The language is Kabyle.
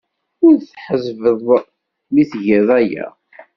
Ur tḥezzbeḍ mi tgiḍ aya.